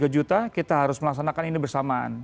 dua puluh tiga juta kita harus melaksanakan ini bersamaan